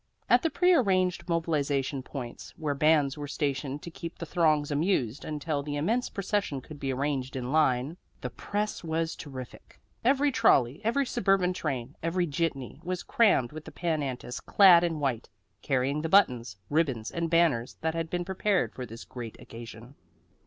At the prearranged mobilization points, where bands were stationed to keep the throngs amused until the immense procession could be ranged in line, the press was terrific. Every trolley, every suburban train, every jitney, was crammed with the pan antis, clad in white, carrying the buttons, ribbons and banners that had been prepared for this great occasion.